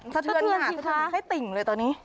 สะเทือนชีวภาพให้ติ่งเลยตอนนี้